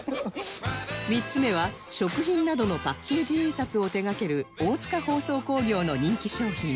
３つ目は食品などのパッケージ印刷を手掛ける大塚包装工業の人気商品